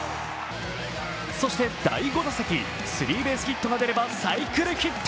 そして第５打席、スリーベースヒットが出ればサイクルヒット。